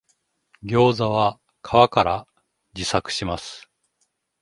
ギョウザは皮から自作します